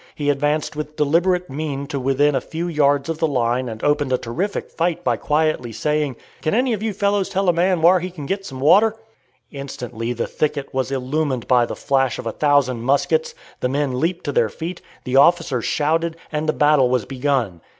He advanced with deliberate mien to within a few yards of the line and opened a terrific fight by quietly saying, "Can any you fellows tell a man whar he can git some water?" Instantly the thicket was illumined by the flash of a thousand muskets, the men leaped to their feet, the officers shouted, and the battle was begun.